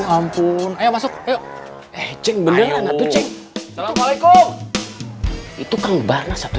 waalaikumussalam itu kepala nahid